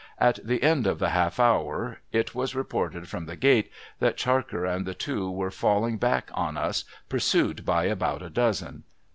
At the end of the half hour, it was reported from the gate that Charker and the two were falling back on us, pursued by about a dozen.